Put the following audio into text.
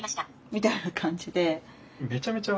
みたいな感じで。